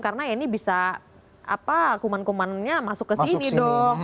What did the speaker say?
karena ini bisa kuman kumannya masuk ke sini dong